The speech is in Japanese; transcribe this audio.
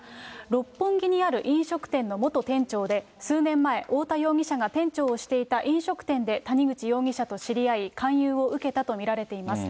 六本木にある飲食店の元店長で、数年前、太田容疑者が店長をしていた飲食店で谷口容疑者と知り合い、勧誘を受けたと見られています。